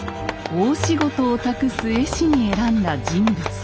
大仕事を託す絵師に選んだ人物